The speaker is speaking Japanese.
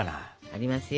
ありますよ！